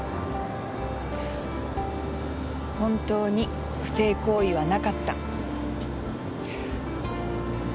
本当に不貞行為はなかった。